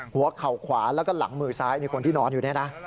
หัวเข่าขวาแล้วก็หลังมือซ้ายคนที่นอนอยู่นี่นะ